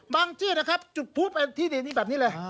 บางที่นะครับจุดพูดไปที่ดีแบบนี้เลย